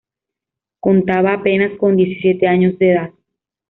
Contaba apenas con diecisiete años de edad.